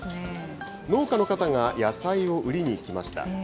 農家の方が野菜を売りに来ました。